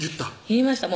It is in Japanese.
言いました